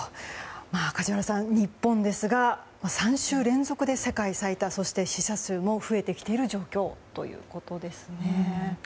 梶原さん、日本ですが３週連続で世界最多、死者数も増えてきている状況ですね。